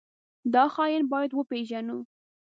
دا خاين بايد وپېژنو.